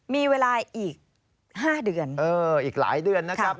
มีเวลาอีก๕เดือนเอออีกหลายเดือนนะครับ